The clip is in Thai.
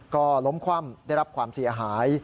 ก็ล้มคว่ำได้รับความเสียหาย